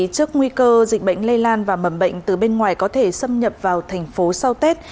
trước nguy cơ dịch bệnh lây lan và mầm bệnh từ bên ngoài có thể xâm nhập vào thành phố sau tết